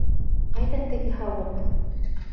Ҡайҙа теге һауыт?